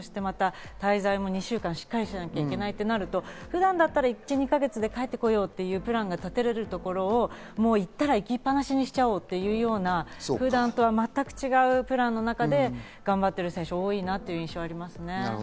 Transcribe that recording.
滞在も２週間しっかりしなきゃいけないとなると普段だったら１２か月で帰ってこようというプランが立てられるところ、行ったら行きっ放しにしちゃおうっていうような普段と全く違うプランの中で頑張ってる選手が多いなという印象がありますね。